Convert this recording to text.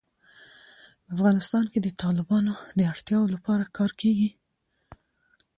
په افغانستان کې د تالابونو د اړتیاوو لپاره کار کېږي.